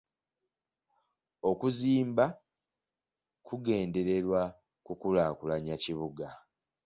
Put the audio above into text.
Okuzimba kugendereddwa kukulaakulanya kibuga.